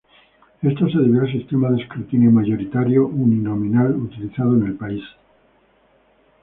Esto se debió al sistema de escrutinio mayoritario uninominal utilizado en el país.